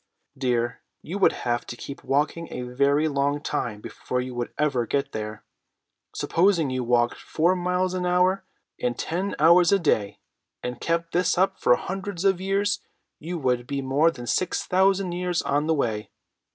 "Dear, you would have to keep walking a very long time before you would ever get there. Supposing you walked four miles an hour, and ten hours a day, and kept this up for hundreds of years, you would be more than six thousand years on the way.